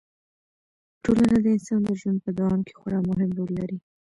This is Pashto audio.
ټولنه د انسان د ژوند په دوام کې خورا مهم رول لري.